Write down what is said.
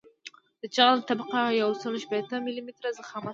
د جغل طبقه یوسل شپیته ملي متره ضخامت لري